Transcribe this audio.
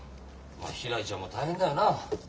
ひらりちゃんも大変だよな。